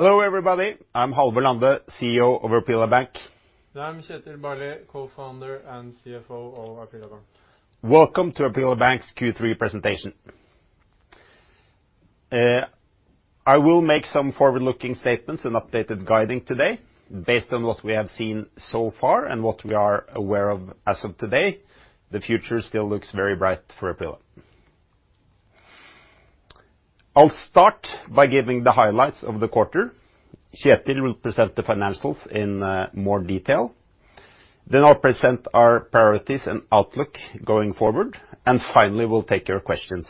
Hello, everybody. I'm Halvor Lande, CEO of Aprila Bank. I'm Kjetil Barli, co-founder and CFO of Aprila Bank. Welcome to Aprila Bank's Q3 presentation. I will make some forward-looking statements and updated guiding today based on what we have seen so far and what we are aware of as of today. The future still looks very bright for Aprila. I'll start by giving the highlights of the quarter. Kjetil will present the financials in more detail. Then I'll present our priorities and outlook going forward, and finally, we'll take your questions.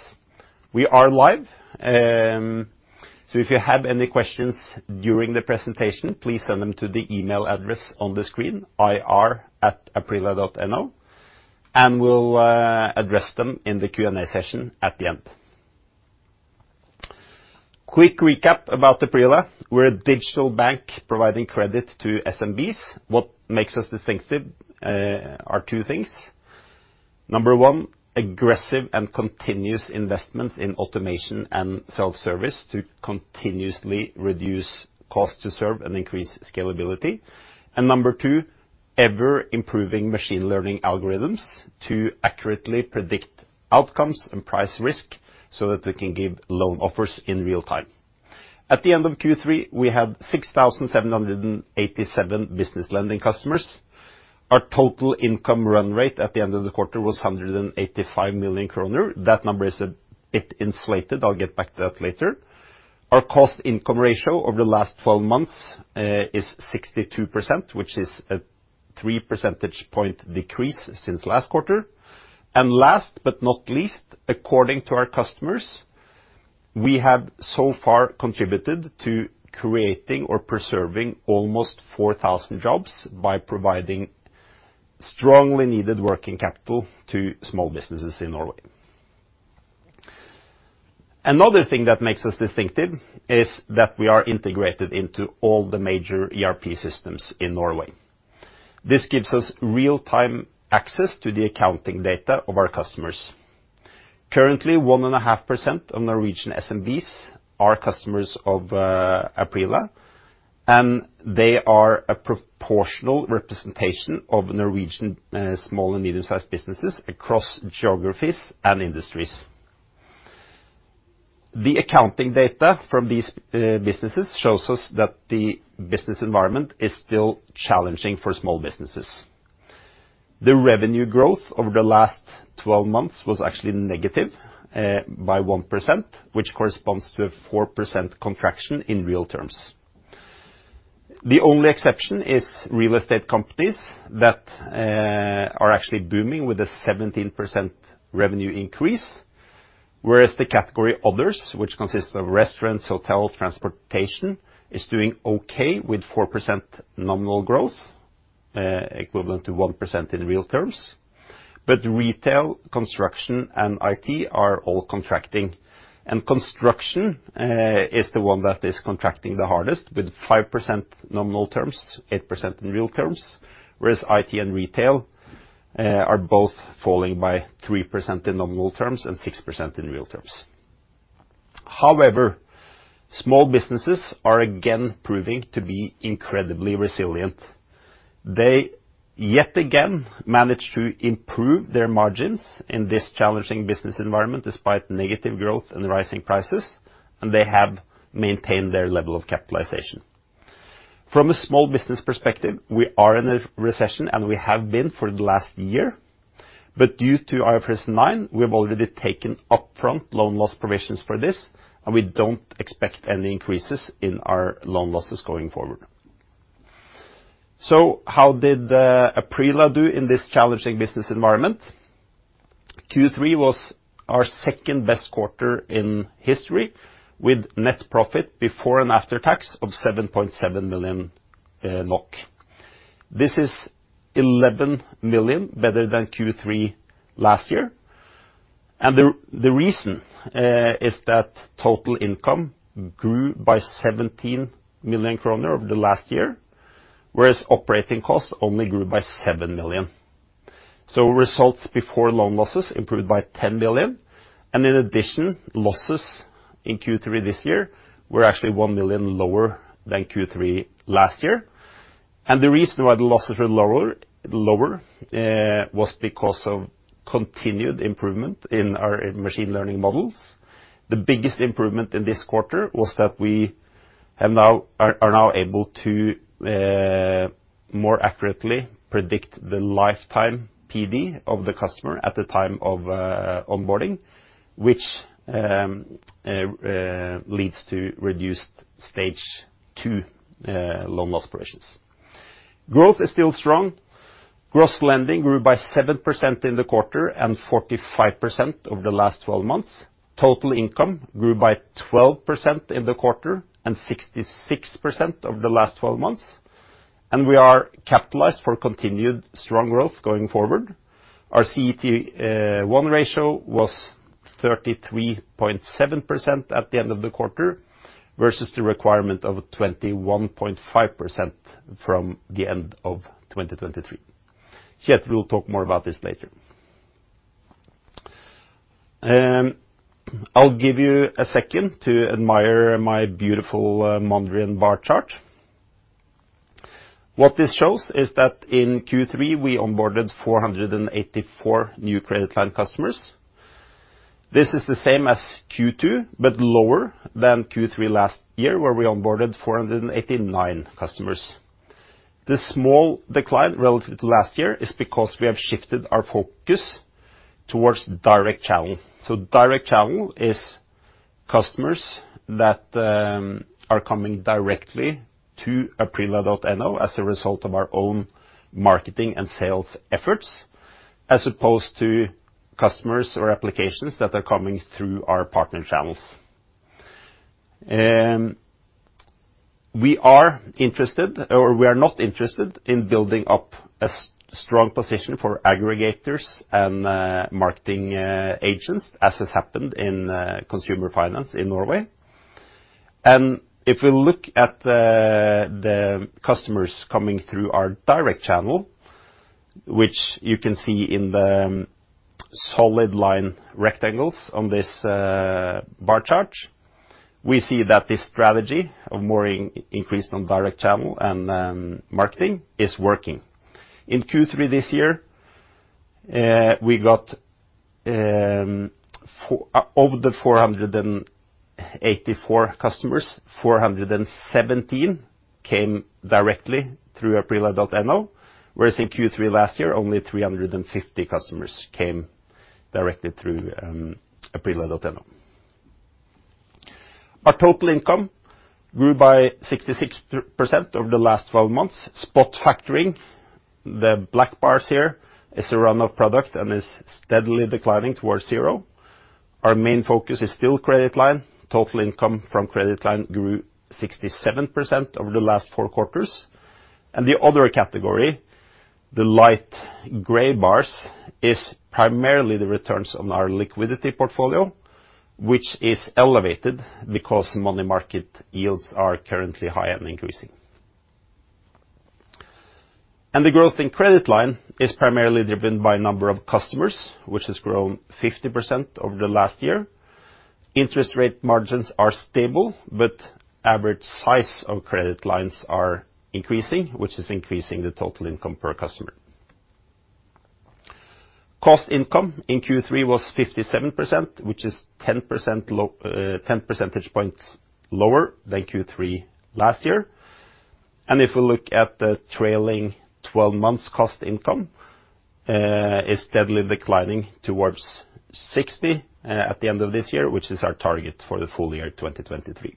We are live, so if you have any questions during the presentation, please send them to the email address on the screen, ir@aprila.no, and we'll address them in the Q&A session at the end. Quick recap about Aprila. We're a digital bank providing credit to SMBs. What makes us distinctive are two things. Number one, aggressive and continuous investments in automation and self-service to continuously reduce cost to serve and increase scalability. And number two, ever-improving machine learning algorithms to accurately predict outcomes and price risk, so that we can give loan offers in real time. At the end of Q3, we had 6,787 business lending customers. Our total income run rate at the end of the quarter was 185 million kroner. That number is a bit inflated. I'll get back to that later. Our cost income ratio over the last 12 months is 62%, which is a three percentage point decrease since last quarter. And last but not least, according to our customers, we have so far contributed to creating or preserving almost 4,000 jobs by providing strongly needed working capital to small businesses in Norway. Another thing that makes us distinctive is that we are integrated into all the major ERP systems in Norway. This gives us real-time access to the accounting data of our customers. Currently, 1.5% of Norwegian SMBs are customers of Aprila, and they are a proportional representation of Norwegian small and medium-sized businesses across geographies and industries. The accounting data from these businesses shows us that the business environment is still challenging for small businesses. The revenue growth over the last 12 months was actually negative by 1%, which corresponds to a 4% contraction in real terms. The only exception is real estate companies that are actually booming with a 17% revenue increase, whereas the category Others, which consists of restaurants, hotel, transportation, is doing okay with 4% nominal growth, equivalent to 1% in real terms. But retail, construction, and IT are all contracting, and construction is the one that is contracting the hardest, with 5% nominal terms, 8% in real terms, whereas IT and retail are both falling by 3% in nominal terms and 6% in real terms. However, small businesses are again proving to be incredibly resilient. They, yet again, manage to improve their margins in this challenging business environment, despite negative growth and rising prices, and they have maintained their level of capitalization. From a small business perspective, we are in a recession, and we have been for the last year, but due to IFRS 9, we have already taken upfront loan loss provisions for this, and we don't expect any increases in our loan losses going forward. So how did Aprila do in this challenging business environment? Q3 was our second-best quarter in history, with net profit before and after tax of 7.7 million NOK. This is 11 million better than Q3 last year, and the reason is that total income grew by 17 million kroner over the last year, whereas operating costs only grew by 7 million. So results before loan losses improved by 10 million, and in addition, losses in Q3 this year were actually 1 million lower than Q3 last year. And the reason why the losses were lower was because of continued improvement in our machine learning models. The biggest improvement in this quarter was that we are now able to more accurately predict the lifetime PD of the customer at the time of onboarding, which leads to reduced Stage 2 loan loss provisions. Growth is still strong. Gross lending grew by 7% in the quarter and 45% over the last 12 months. Total income grew by 12% in the quarter and 66% over the last 12 months, and we are capitalized for continued strong growth going forward. Our CET1 ratio was 33.7% at the end of the quarter, versus the requirement of 21.5% from the end of 2023. Kjetil will talk more about this later. I'll give you a second to admire my beautiful Mondrian bar chart. What this shows is that in Q3, we onboarded 484 new credit line customers. This is the same as Q2, but lower than Q3 last year, where we onboarded 489 customers. This small decline relative to last year is because we have shifted our focus towards direct channel. So direct channel is customers that are coming directly to aprila.no as a result of our own marketing and sales efforts, as opposed to customers or applications that are coming through our partner channels. We are not interested in building up a strong position for aggregators and marketing agents, as has happened in consumer finance in Norway. If we look at the customers coming through our direct channel, which you can see in the solid line rectangles on this bar chart, we see that this strategy of more increase on direct channel and marketing is working. In Q3 this year, we got of the 484 customers, 417 came directly through aprila.no, whereas in Q3 last year, only 350 customers came directly through aprila.no. Our total income grew by 66% over the last 12 months. Spot factoring, the black bars here, is a run-off product and is steadily declining towards zero. Our main focus is still credit line. Total income from credit line grew 67% over the last four quarters, and the other category, the light gray bars, is primarily the returns on our liquidity portfolio, which is elevated because money market yields are currently high and increasing. The growth in credit line is primarily driven by number of customers, which has grown 50% over the last year. Interest rate margins are stable, but average size of credit lines are increasing, which is increasing the total income per customer. Cost income in Q3 was 57%, which is 10% low, 10 percentage points lower than Q3 last year. If we look at the trailing twelve months, cost income is steadily declining towards 60 at the end of this year, which is our target for the full year 2023.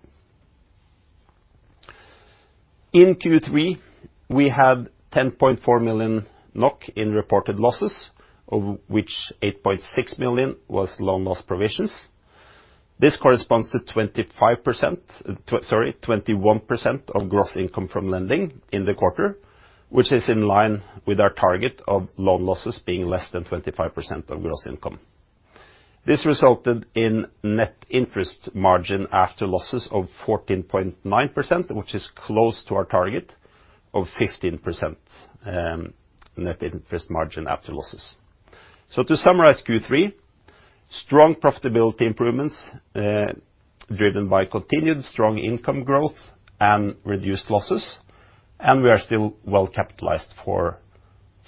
In Q3, we had 10.4 million NOK in reported losses, of which 8.6 million was loan loss provisions. This corresponds to 25%, sorry, 21% of gross income from lending in the quarter, which is in line with our target of loan losses being less than 25% of gross income. This resulted in net interest margin after losses of 14.9%, which is close to our target of 15% net interest margin after losses. So to summarize Q3, strong profitability improvements driven by continued strong income growth and reduced losses, and we are still well capitalized for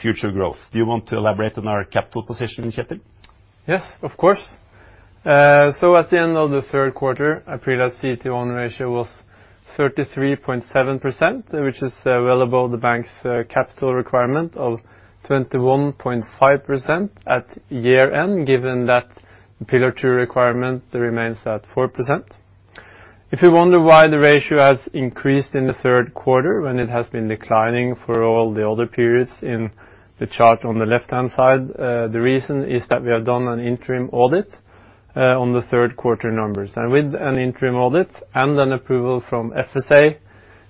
future growth. Do you want to elaborate on our capital position, Kjetil? Yes, of course. So at the end of the third quarter, Aprila CET1 ratio was 33.7%, which is well above the bank's capital requirement of 21.5% at year-end, given that Pillar 2 requirement remains at 4%. If you wonder why the ratio has increased in the third quarter when it has been declining for all the other periods in the chart on the left-hand side, the reason is that we have done an interim audit on the third quarter numbers. And with an interim audit and an approval from FSA,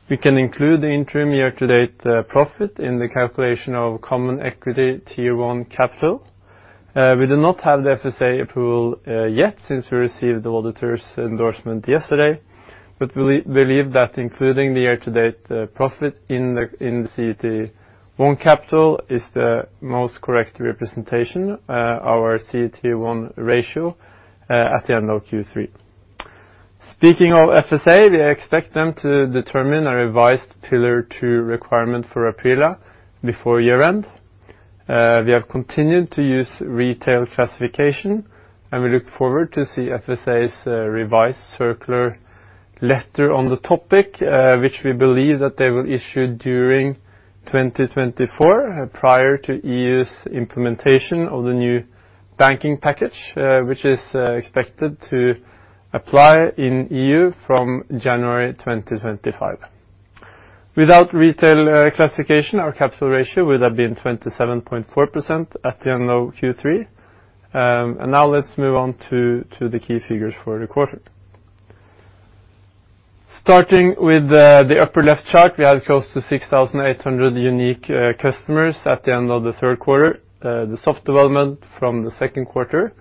we can include the interim year-to-date profit in the calculation of Common Equity Tier 1 capital. We do not have the FSA approval yet since we received the auditor's endorsement yesterday, but we believe that including the year-to-date profit in the CET1 capital is the most correct representation our CET1 ratio at the end of Q3. Speaking of FSA, we expect them to determine a revised Pillar 2 requirement for Aprila before year-end. We have continued to use retail classification, and we look forward to see FSA's revised circular letter on the topic, which we believe that they will issue during 2024, prior to EU's implementation of the new banking package, which is expected to apply in EU from January 2025. Without retail classification, our capital ratio would have been 27.4% at the end of Q3. And now let's move on to the key figures for the quarter. Starting with the upper left chart, we have close to 6,800 unique customers at the end of the third quarter. The soft development from the second quarter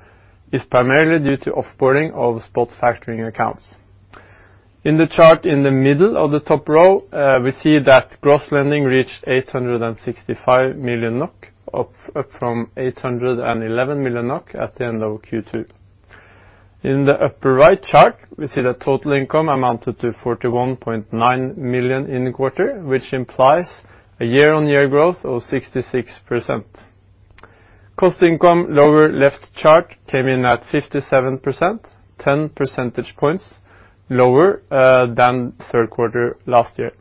is primarily due to off-boarding of spot factoring accounts. In the chart in the middle of the top row, we see that gross lending reached 865 million NOK, up from 811 million NOK at the end of Q2. In the upper right chart, we see that total income amounted to 41.9 million in the quarter, which implies a year-on-year growth of 66%. Cost income, lower left chart, came in at 57%, ten percentage points lower than third quarter last year.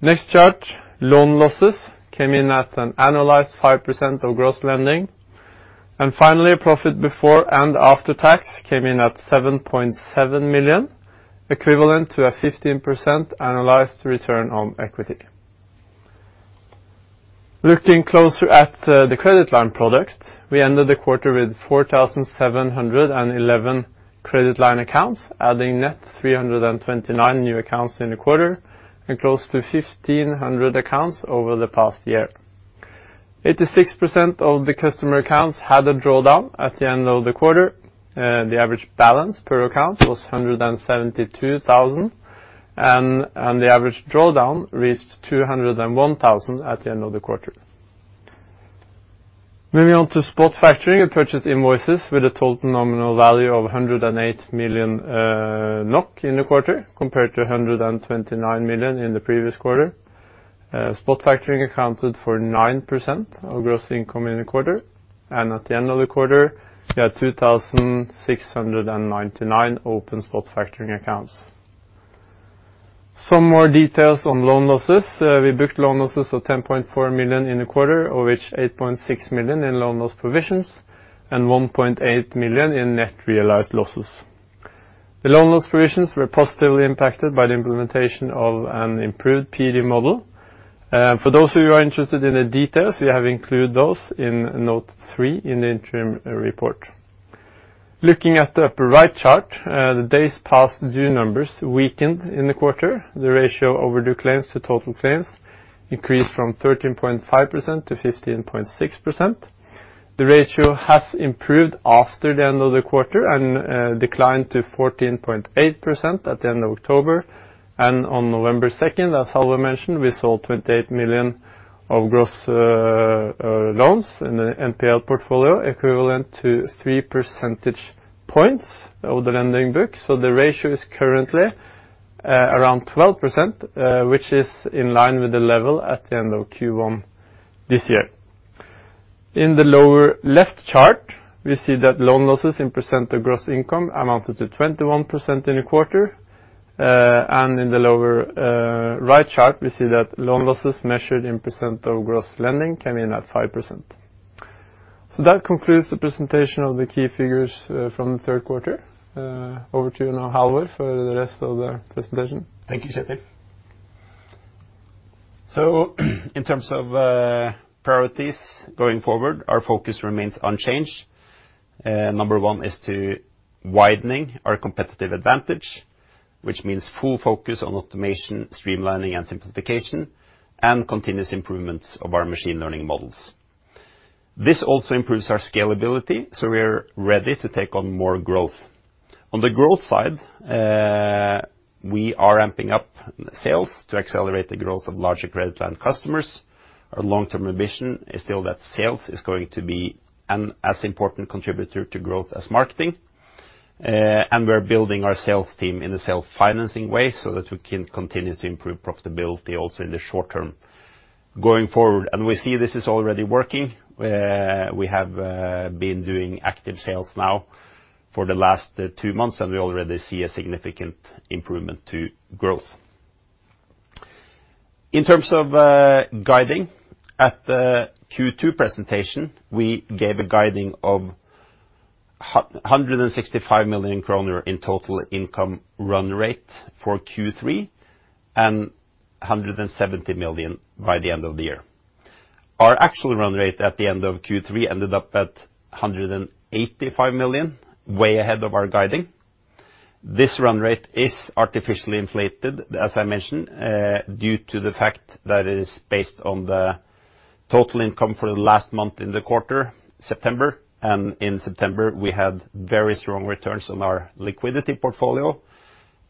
Next chart, loan losses came in at an annualized 5% of gross lending, and finally, a profit before and after tax came in at 7.7 million, equivalent to a 15% annualized return on equity. Looking closer at the credit line product, we ended the quarter with 4,711 credit line accounts, adding net 329 new accounts in the quarter and close to 1,500 accounts over the past year. 86% of the customer accounts had a drawdown at the end of the quarter, the average balance per account was 172,000, and the average drawdown reached 201,000 at the end of the quarter. Moving on to spot factoring, it purchased invoices with a total nominal value of 108 million NOK in the quarter, compared to 129 million in the previous quarter. Spot factoring accounted for 9% of gross income in the quarter, and at the end of the quarter, we had 2,699 open spot factoring accounts. Some more details on loan losses. We booked loan losses of 10.4 million in the quarter, of which 8.6 million in loan loss provisions and 1.8 million in net realized losses. The loan loss provisions were positively impacted by the implementation of an improved PD model. For those of you who are interested in the details, we have included those in Note 3 in the interim report. Looking at the upper right chart, the days past due numbers weakened in the quarter. The ratio of overdue claims to total claims increased from 13.5% to 15.6%. The ratio has improved after the end of the quarter and declined to 14.8% at the end of October, and on November second, as Halvor mentioned, we sold 28 million of gross loans in the NPL portfolio, equivalent to three percentage points of the lending book. So the ratio is currently around 12%, which is in line with the level at the end of Q1 this year. In the lower left chart, we see that loan losses in percent of gross income amounted to 21% in the quarter. In the lower right chart, we see that loan losses measured in percent of gross lending came in at 5%. That concludes the presentation of the key figures from the third quarter. Over to you now, Halvor, for the rest of the presentation. Thank you, Kjetil. So in terms of priorities going forward, our focus remains unchanged. Number one is to widening our competitive advantage, which means full focus on automation, streamlining and simplification, and continuous improvements of our machine learning models. This also improves our scalability, so we are ready to take on more growth. On the growth side, we are ramping up sales to accelerate the growth of larger credit line customers. Our long-term ambition is still that sales is going to be an as important contributor to growth as marketing, and we're building our sales team in a self-financing way, so that we can continue to improve profitability also in the short term. Going forward, and we see this is already working, we have been doing active sales now for the last two months, and we already see a significant improvement to growth. In terms of guiding, at the Q2 presentation, we gave a guiding of 165 million kroner in total income run rate for Q3 and 170 million by the end of the year. Our actual run rate at the end of Q3 ended up at 185 million, way ahead of our guiding. This run rate is artificially inflated, as I mentioned, due to the fact that it is based on the total income for the last month in the quarter, September, and in September, we had very strong returns on our liquidity portfolio,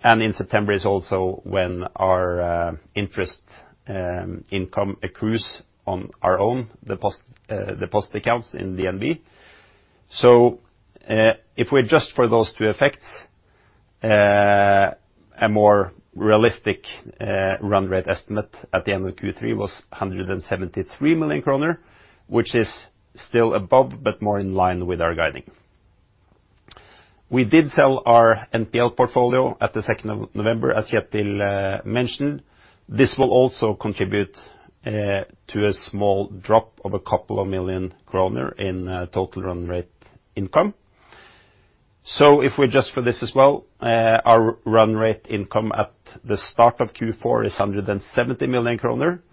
and in September is also when our interest income accrues on our own, deposit accounts in DNB. So, if we adjust for those two effects, a more realistic run rate estimate at the end of Q3 was 173 million kroner, which is still above, but more in line with our guiding. We did sell our NPL portfolio at the second of November, as Kjetil mentioned. This will also contribute to a small drop of a couple of million NOK in total run rate income. So if we adjust for this as well, our run rate income at the start of Q4 is 170 million kroner, but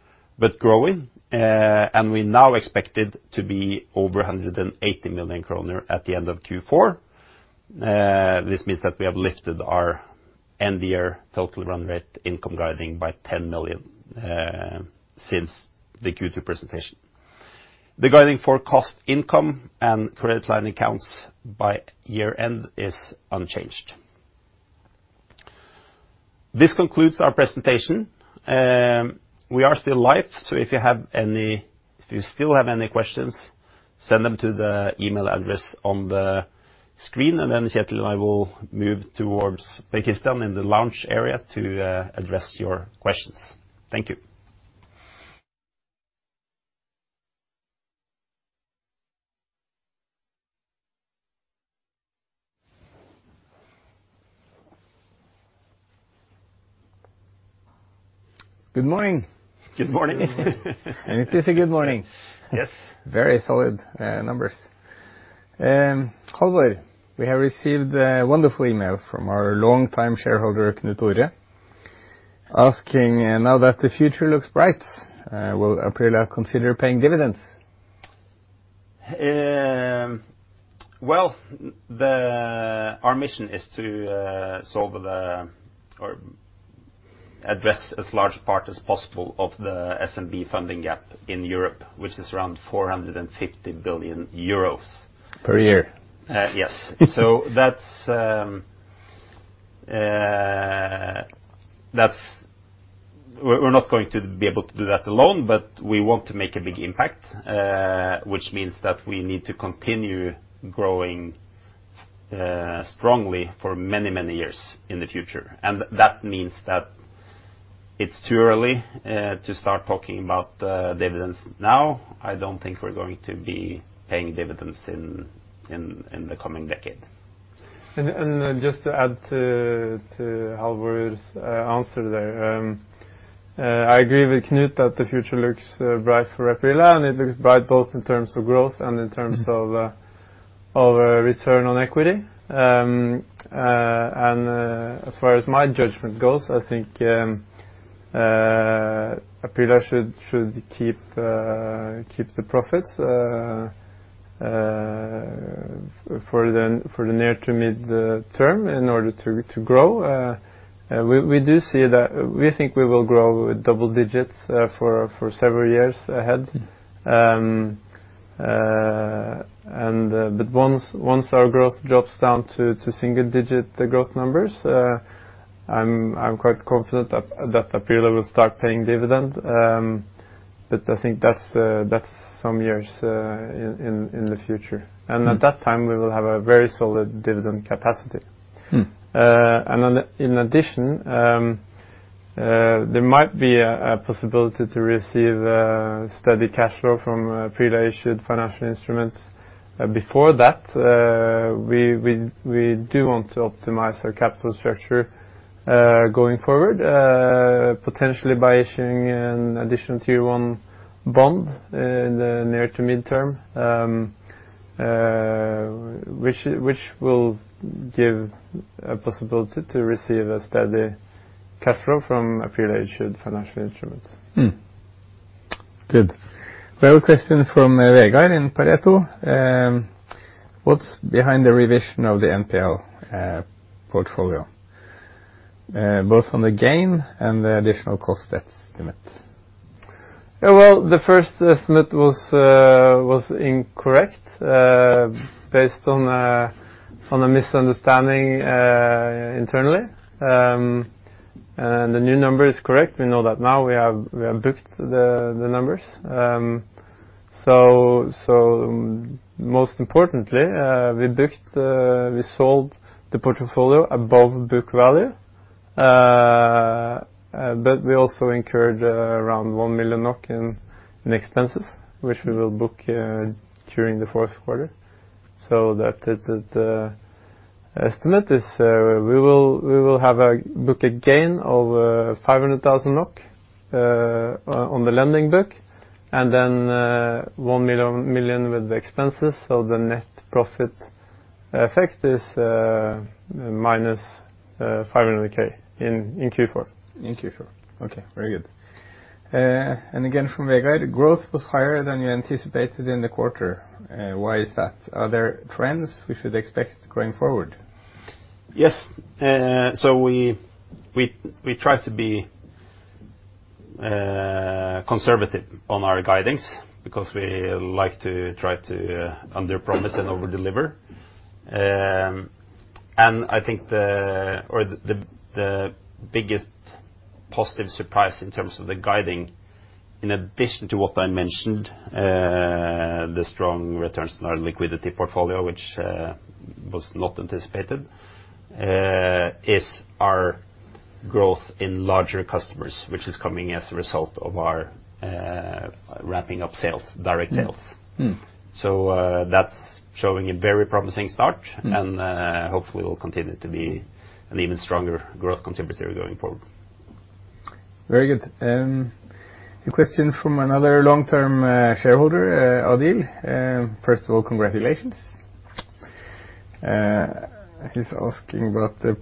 growing, and we now expect it to be over 180 million kroner at the end of Q4. This means that we have lifted our end year total run rate income guiding by 10 million NOK since the Q2 presentation. The guidance for cost income and credit line accounts by year-end is unchanged. This concludes our presentation, we are still live, so if you still have any questions, send them to the email address on the screen, and then Kjetil and I will move towards the kitchen in the lounge area to address your questions. Thank you. Good morning. Good morning. It is a good morning. Yes. Very solid, numbers. Halvor, we have received a wonderful email from our longtime shareholder, Knut Ore, asking, "Now that the future looks bright, will Aprila consider paying dividends? Well, our mission is to solve or address as large a part as possible of the SMB funding gap in Europe, which is around 450 billion euros. Per year. Yes. So that's we're not going to be able to do that alone, but we want to make a big impact, which means that we need to continue growing strongly for many, many years in the future. And that means that it's too early to start talking about dividends now. I don't think we're going to be paying dividends in the coming decade. Just to add to Halvor's answer there, I agree with Knut that the future looks bright for Aprila, and it looks bright both in terms of growth and in terms of return on equity. As far as my judgment goes, I think Aprila should keep the profits for the near to mid-term in order to grow. We do see that we will grow double digits for several years ahead. But once our growth drops down to single digit growth numbers, I'm quite confident that Aprila will start paying dividend. But I think that's some years in the future. At that time, we will have a very solid dividend capacity. And then in addition, there might be a possibility to receive steady cash flow from Aprila-issued financial instruments. Before that, we do want to optimize our capital structure going forward, potentially by issuing an additional Tier 1 bond in the near to midterm, which will give a possibility to receive a steady cash flow from Aprila-issued financial instruments. Good. We have a question from Vegard in Pareto. What's behind the revision of the NPL portfolio, both on the gain and the additional cost estimate? Well, the first estimate was incorrect based on a misunderstanding internally. And the new number is correct. We know that now we have booked the numbers. So most importantly, we sold the portfolio above book value, but we also incurred around 1 million NOK in expenses, which we will book during the fourth quarter. So that is the estimate, we will have a book gain of 500,000 NOK on the lending book, and then 1 million with the expenses. So the net profit effect is minus 500,000 in Q4. In Q4. Okay, very good. And again, from Vegard: The growth was higher than you anticipated in the quarter. Why is that? Are there trends we should expect going forward? Yes. So we try to be conservative on our guidance, because we like to try to underpromise and overdeliver. And I think the biggest positive surprise in terms of the guidance, in addition to what I mentioned, the strong returns on our liquidity portfolio, which was not anticipated, is our growth in larger customers, which is coming as a result of our ramping up sales, direct sales. So, that's showing a very promising start and, hopefully will continue to be an even stronger growth contributor going forward. Very good. A question from another long-term shareholder, Adil: First of all, congratulations. He's asking about the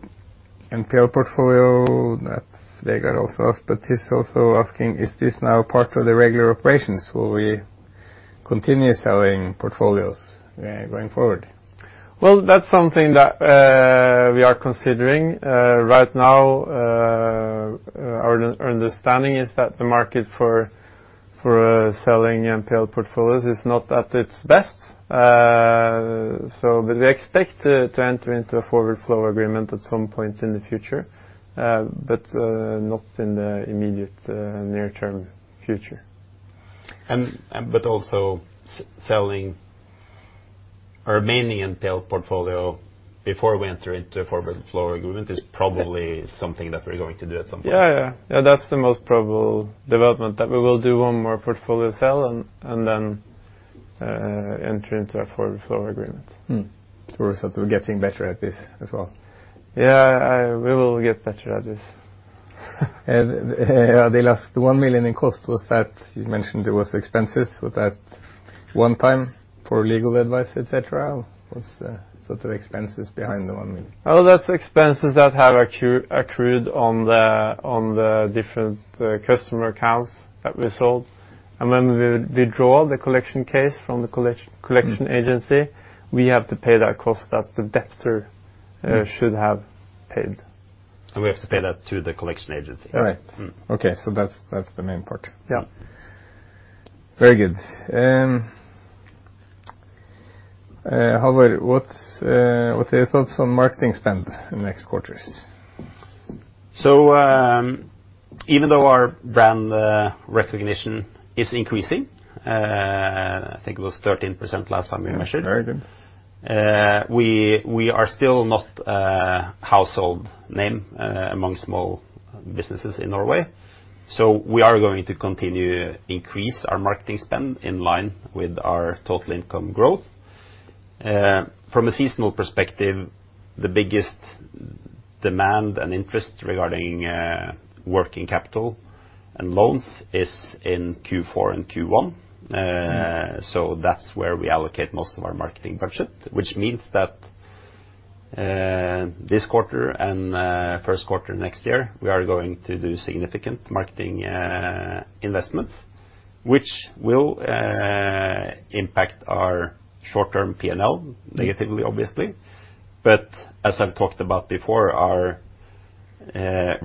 NPL portfolio that Vegard also asked, but he's also asking: Is this now part of the regular operations? Will we continue selling portfolios, going forward? Well, that's something that we are considering. Right now, our understanding is that the market for selling NPL portfolios is not at its best. But we expect to enter into a forward flow agreement at some point in the future, but not in the immediate near-term future. But also selling our remaining NPL portfolio before we enter into a forward flow agreement is probably something that we're going to do at some point. Yeah, yeah. Yeah, that's the most probable development, that we will do one more portfolio sale and then enter into a forward flow agreement. So we're sort of getting better at this as well? Yeah, we will get better at this. And the last 1 million in cost, was that— You mentioned it was expenses. Was that one-time for legal advice, et cetera? What's the sort of expenses behind the 1 million? Oh, that's expenses that have accrued on the different customer accounts that we sold. And when we withdraw the collection case from the collection agency, we have to pay that cost that the debtor should have paid. We have to pay that to the collection agency? Right. Okay, so that's, that's the main part. Yeah. Very good. However, what's your thoughts on marketing spend in the next quarters? So, even though our brand recognition is increasing, I think it was 13% last time we measured- Yeah, very good.... we are still not a household name among small businesses in Norway. So we are going to continue to increase our marketing spend in line with our total income growth. From a seasonal perspective, the biggest demand and interest regarding working capital and loans is in Q4 and Q1. So that's where we allocate most of our marketing budget, which means that this quarter and first quarter next year, we are going to do significant marketing investments, which will impact our short-term P&L negatively, obviously. But as I've talked about before, our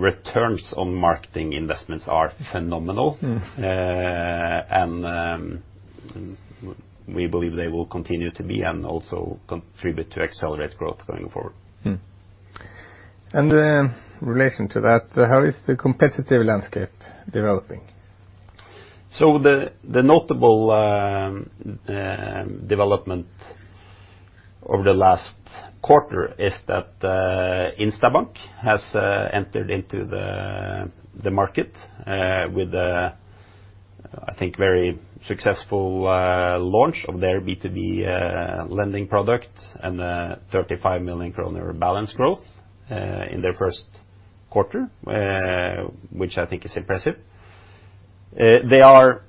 returns on marketing investments are phenomenal. We believe they will continue to be and also contribute to accelerate growth going forward. In relation to that, how is the competitive landscape developing? So the notable development over the last quarter is that Instabank has entered into the market with, I think, a very successful launch of their B2B lending product and 35 million kroner balance growth in their first quarter, which I think is impressive. They are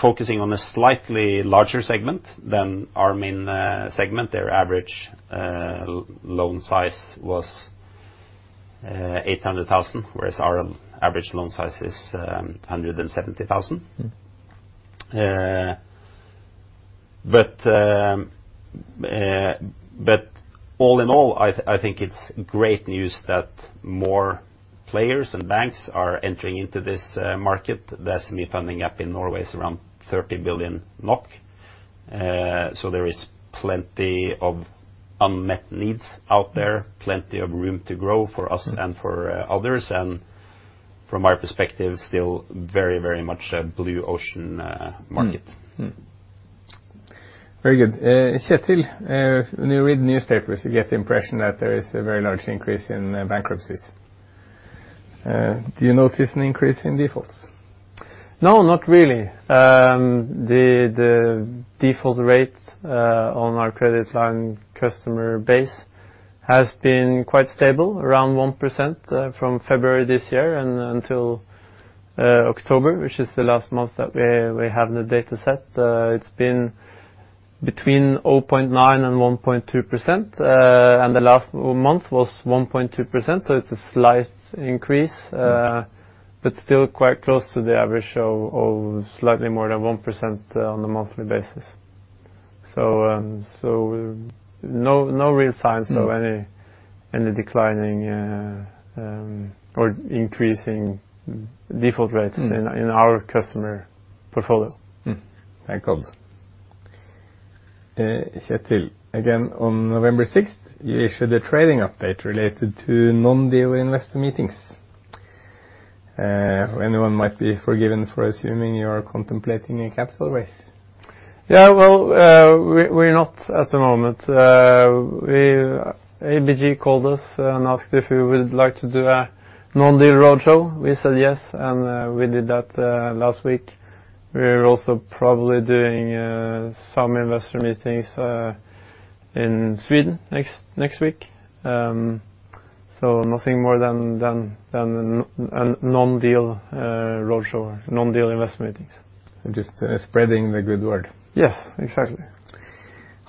focusing on a slightly larger segment than our main segment. Their average loan size was 800,000, whereas our average loan size is 170,000. But all in all, I think it's great news that more players and banks are entering into this market. The SME funding gap in Norway is around 30 billion NOK, so there is plenty of unmet needs out there, plenty of room to grow for us and for Others, and from our perspective, still very, very much a blue ocean, market. Very good. Kjetil, when you read newspapers, you get the impression that there is a very large increase in bankruptcies. Do you notice an increase in defaults? No, not really. The default rate on our credit line customer base has been quite stable, around 1%, from February this year until October, which is the last month that we have the dataset. It's been between 0.9% and 1.2%, and the last month was 1.2%, so it's a slight increase but still quite close to the average of, of slightly more than 1%, on a monthly basis. So, so no, no real signs of any declining or increasing default rates in our customer portfolio. Thank God. Kjetil, again, on November 6th, you issued a trading update related to non-deal investor meetings. Anyone might be forgiven for assuming you are contemplating a capital raise. Yeah, well, we're not at the moment. ABG called us and asked if we would like to do a non-deal roadshow. We said yes, and we did that last week. We're also probably doing some investor meetings in Sweden next week. So nothing more than a non-deal roadshow, non-deal investor meetings. Just spreading the good word. Yes, exactly.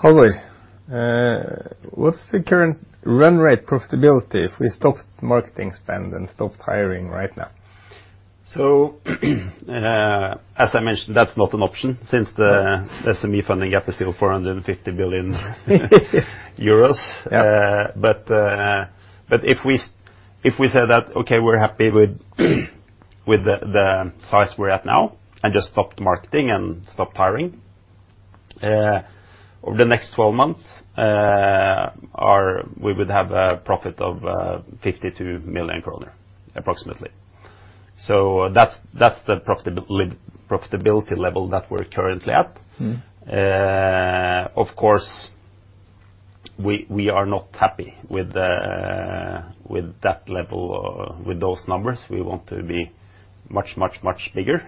Halvor, what's the current run rate profitability if we stopped marketing spend and stopped hiring right now? As I mentioned, that's not an option since the SME funding gap is still 450 billion euros. Yeah. But if we say that, "Okay, we're happy with the size we're at now," and just stopped marketing and stopped hiring, over the next 12 months. Our, we would have a profit of 52 million kroner, approximately. So that's the profitability level that we're currently at. Of course, we are not happy with that level or with those numbers. We want to be much, much, much bigger.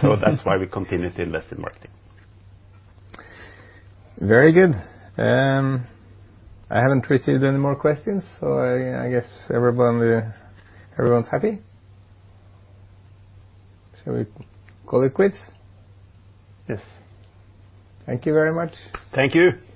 So that's why we continue to invest in marketing. Very good. I haven't received any more questions, so I guess everyone, everyone's happy. Shall we call it quits? Yes. Thank you very much. Thank you.